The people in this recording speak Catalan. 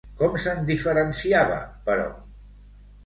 Com se'n diferenciava, però?